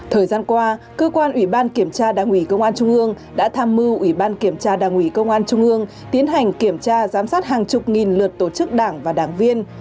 thời gian qua cơ quan ủy ban kiểm tra đảng ủy công an trung ương đã tham mưu ủy ban kiểm tra đảng ủy công an trung ương tiến hành kiểm tra giám sát hàng chục nghìn lượt tổ chức đảng và đảng viên